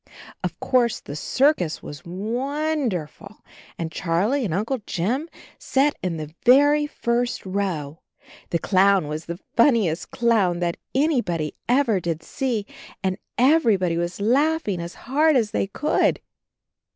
Of course the circus was wonderful, and Charlie and Uncle Jim sat in the very first row. The clown was the funniest clown that anybody ever did see and everybody was laughing as hard as they could.